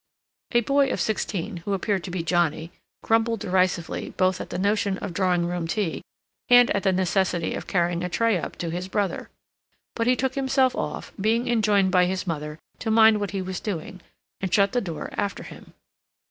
A boy of sixteen, who appeared to be Johnnie, grumbled derisively both at the notion of drawing room tea and at the necessity of carrying a tray up to his brother. But he took himself off, being enjoined by his mother to mind what he was doing, and shut the door after him.